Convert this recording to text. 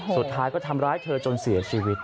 สุดท้ายก็ทำร้ายเธอจนเสียชีวิต